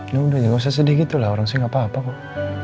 ya udah gak usah sedih gitu lah orang sih gak apa apa kok